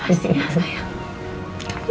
makasih ya sayang